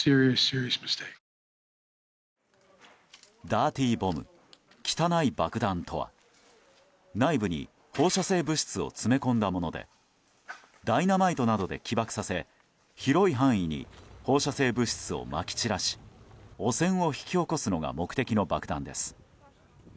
ダーティーボム、汚い爆弾とは内部に放射性物質を詰め込んだものでダイナマイトなどで起爆させ広い範囲に放射性物質をまき散らし汚染を引き起こすのが目的の爆弾です。